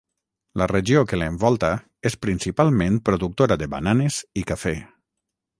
La regió que l'envolta és principalment productora de bananes i cafè.